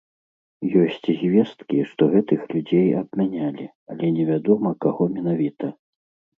Ёсць звесткі, што гэтых людзей абмянялі, але невядома, каго менавіта.